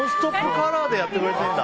カラーでやってくてるんだ。